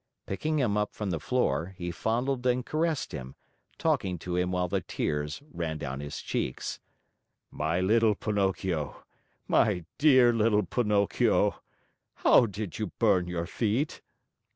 Picking him up from the floor, he fondled and caressed him, talking to him while the tears ran down his cheeks: "My little Pinocchio, my dear little Pinocchio! How did you burn your feet?"